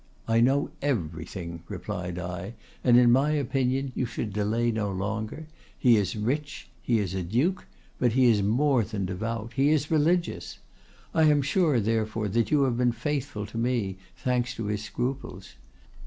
—'I know everything,' replied I; 'and in my opinion, you should delay no longer; he is rich; he is a duke; but he is more than devout, he is religious! I am sure, therefore, that you have been faithful to me, thanks to his scruples.